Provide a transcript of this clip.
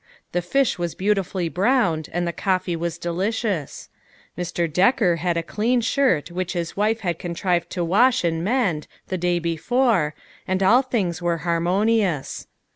The fish was beautifully browned and the coffee was delicious. Mr. Decker had a clean shirt which his wife had contrived to wash and rnend, the day before, and all things were harmonious.